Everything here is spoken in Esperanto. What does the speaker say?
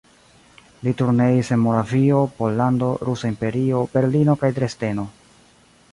Li turneis en Moravio, Pollando, Rusa Imperio, Berlino kaj Dresdeno.